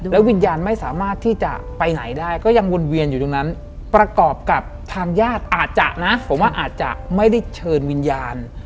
วิญญาณไม่สามารถที่จะไปไหนได้ก็ยังวนเวียนอยู่ตรงนั้นประกอบกับทางญาติอาจจะนะผมว่าอาจจะไม่ได้เชิญวิญญาณ